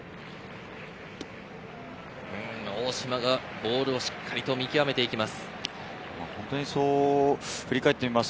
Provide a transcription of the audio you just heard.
大島がボールをしっかり見極めていきます。